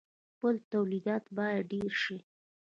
خپل تولیدات باید ډیر شي.